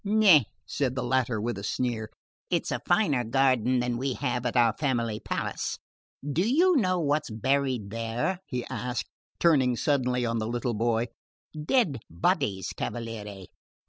"Eh," said the latter with a sneer, "it's a finer garden than we have at our family palace. Do you know what's planted there?" he asked, turning suddenly on the little boy. "Dead bodies, cavaliere!